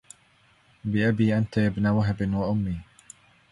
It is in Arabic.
بأبي أنت يا ابن وهب وأمي